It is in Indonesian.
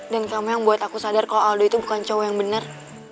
dan kamu yang buat aku sadar kalo aldo itu bukan cowok yang bener